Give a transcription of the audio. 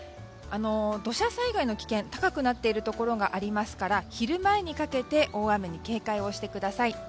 土砂災害の危険高くなっているところがありますから昼前にかけて大雨に警戒をしてください。